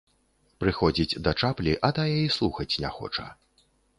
Прыходзіць да чаплі, а тая і слухаць не хоча.